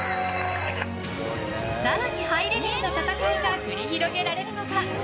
更にハイレベルな戦いが繰り広げられるのか。